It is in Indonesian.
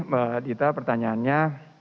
mbak dita pertanyaannya